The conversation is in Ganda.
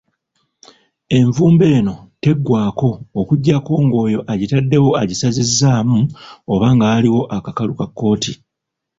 Envumbo eno teggwaako okuggyako ng'oyo agitaddeyo agisazizzaamu oba nga waliwo akakalu ka kkooti.